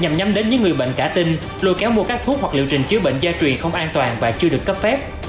nhằm nhắm đến những người bệnh cả tinh lôi kéo mua các thuốc hoặc liệu trình chiếu bệnh gia truyền không an toàn và chưa được cấp phép